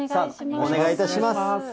さあ、お願いいたします。